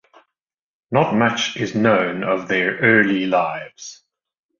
Not much is known of their early lives.